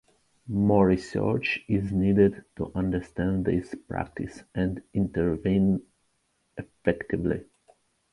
More research is needed to understand this practice and intervene effectively.